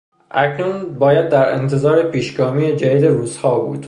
اکنون باید در انتظار پیشگامی جدید روسها بود.